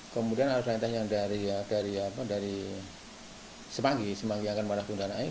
kemudian harus lintas yang dari semanggi semanggi yang akan mengarah ke bunda naik